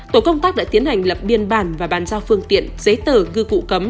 tổ công tác đã tiến hành lập biên bản và bàn giao phương tiện giấy tờ ngư cụ cấm